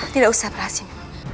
tidak usah berhasil